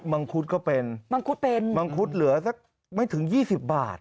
มังคุดก็เป็นมังคุดเหลือสักไม่ถึง๒๐บาท